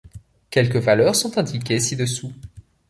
Quelques valeurs sont indiquées ci-dessous.